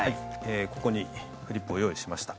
ここにフリップを用意しました。